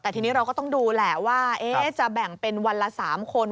แต่ทีนี้เราก็ต้องดูแหละว่าจะแบ่งเป็นวันละ๓คน